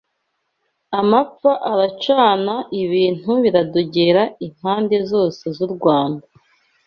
Amapfa aracana ibintu biradogera impande zose z’u Rwanda